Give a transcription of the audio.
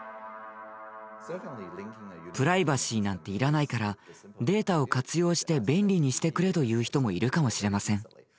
プライバシーなんていらないからデータを活用して便利にしてくれという人もいるかもしれません。